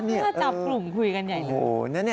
เมื่อจับกลุ่มคุยกันใหญ่หนึ่ง